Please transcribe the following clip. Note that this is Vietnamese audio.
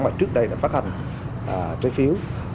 mà trước đây đã phát hành trái phiếu